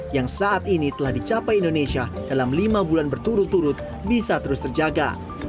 yang saat ini telah dicapai indonesia dalam lima bulan berturut turut bisa terus terjaga